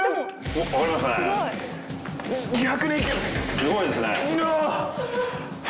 すごいですね。